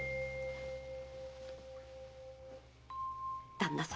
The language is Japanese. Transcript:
旦那様。